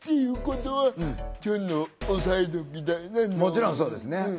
もちろんそうですね。